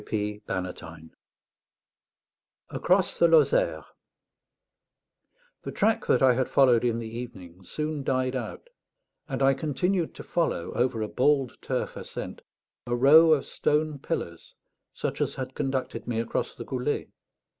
_ W. P. BANNATYNE. ACROSS THE LOZÈRE The track that I had followed in the evening soon died out, and I continued to follow over a bald turf ascent a row of stone pillars, such as had conducted me across the Goulet.